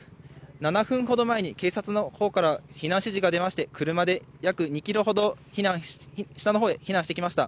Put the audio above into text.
７分ほど前に警察のほうから避難指示が出まして、車で約２キロほど下のほうへ避難してきました。